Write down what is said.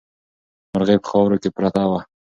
مرغۍ په خاورو کې پرته وه.